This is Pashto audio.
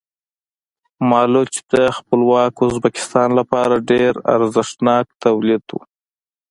مالوچ د خپلواک ازبکستان لپاره ډېر ارزښتناک تولید و.